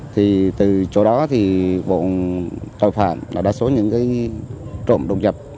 thì từ chỗ đó thì bộ tội phạm là đa số những cái trộm đồn dập